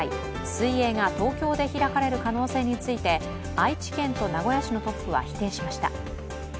水泳が東京で開かれる可能性について、愛知県と名古屋市のトップは否定しました。